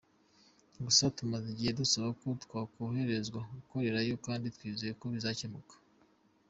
Gusa tumaze igihe dusaba ko twakoroherezwa gukorerayo kandi twizeye ko bizakemuka.